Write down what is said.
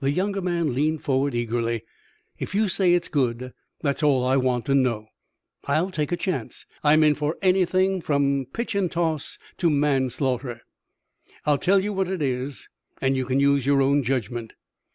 The younger man leaned forward eagerly. "If you say it's good, that's all I want to know. I'll take a chance. I'm in for anything from pitch and toss to manslaughter." "I'll tell you what it is, and you can use your own judgment."